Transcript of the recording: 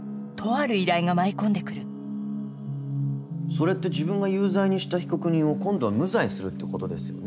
それって自分が有罪にした被告人を今度は無罪にするってことですよね？